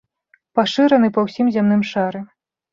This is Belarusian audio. Пашыраны па ўсім зямным шары.